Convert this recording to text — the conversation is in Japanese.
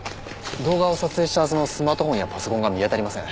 動画を撮影したはずのスマートフォンやパソコンが見当たりません。